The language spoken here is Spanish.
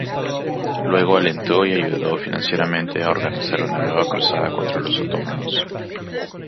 Luego alentó y ayudó financieramente a organizar una nueva cruzada contra los otomanos.